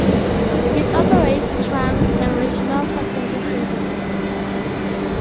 It operates trunk and regional passenger services.